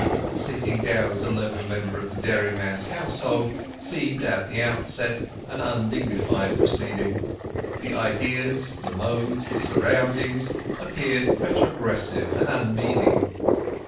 Sitting down as a level member of the dairyman's household seemed at the outset an undignified proceeding. The ideas, the modes, the surroundings, appeared retrogressive and unmeaning.